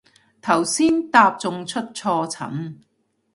頭先搭仲出錯層